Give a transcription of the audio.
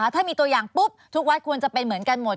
ถ้ามีตัวอย่างปุ๊บทุกวัดควรจะเป็นเหมือนกันหมด